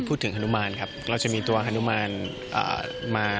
พูดถึงสินธรรมหานุมานครับ